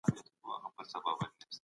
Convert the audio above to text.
د خان ورور هغه تعویذ و پرانیستلی